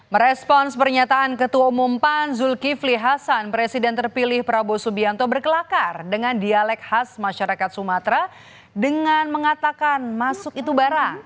merespons pernyataan ketua umum pan zulkifli hasan presiden terpilih prabowo subianto berkelakar dengan dialek khas masyarakat sumatera dengan mengatakan masuk itu barang